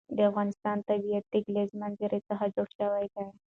د افغانستان طبیعت له د کلیزو منظره څخه جوړ شوی دی.